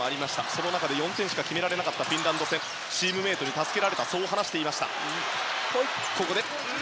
その中で４点しか決められなかったフィンランド戦チームメートに助けられたと話していました。